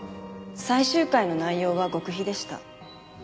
最終回の内容は極秘でした。